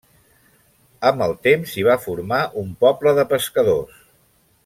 Amb el temps s'hi va formar un poble de pescadors.